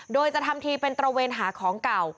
โดยจะทำทีเป็นตระเวนหาของเก่า